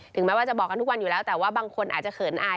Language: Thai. แม้ว่าจะบอกกันทุกวันอยู่แล้วแต่ว่าบางคนอาจจะเขินอาย